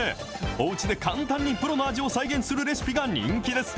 おうちで簡単にプロの味を再現するレシピが人気です。